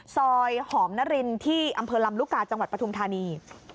ซอยหอมนรินที่อำเภอลำลูกกาจังหวัดปฐุมธานี